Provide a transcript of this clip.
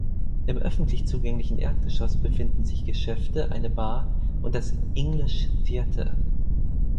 Im öffentlich zugänglichen Erdgeschoss befinden sich Geschäfte, eine Bar und das English Theatre.